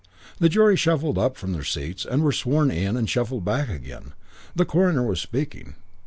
The jury shuffled up from their seats and were sworn in and shuffled back again.... The coroner was speaking.